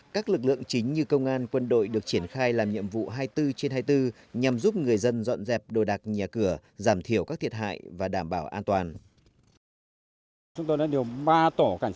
các lực lượng chính như công an quân đội được triển khai làm nhiệm vụ hai mươi bốn trên hai mươi bốn nhằm giúp người dân dọn dẹp đồ đạc nhà cửa giảm thiểu các thiệt hại và đảm bảo an toàn